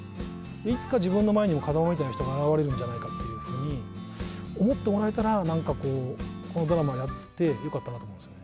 いつか自分の前にも、風真みたいな人が現れるんじゃないかなっていうふうに思ってもらえたら、このドラマをやってよかったなと思うんですよね。